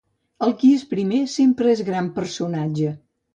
El qui és primer sempre és gran personatge.